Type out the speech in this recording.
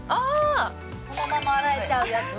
このまま洗えちゃうやつ